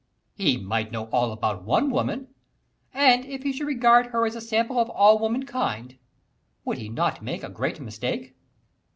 "He might know all about one woman, and if he should regard her as a sample of all womankind, would he not make a great mistake?"